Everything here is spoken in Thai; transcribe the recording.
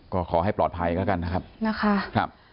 ก็ขอให้ปลอดภัยแล้วกันนะครับ